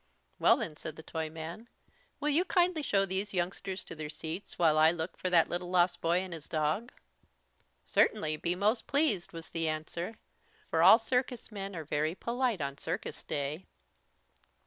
"Well then," said the Toyman, "will you kindly show these youngsters to their seats while I look for that little lost boy and his dog?" "Certainly, be most pleased," was the answer, for all circus men are very polite on Circus Day.